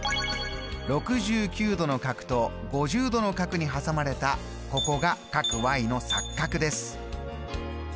６９度の角と５０度の角に挟まれたここがの錯角です。